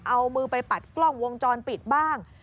เอามือไปปัดกล้องวงจรปิดบ้าง